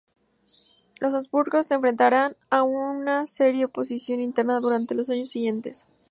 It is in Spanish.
Los Habsburgos se enfrentarían a una seria oposición interna durante los años siguientes.